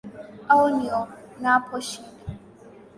Au nionapo shida